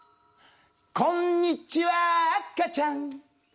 こんにちは赤ちゃん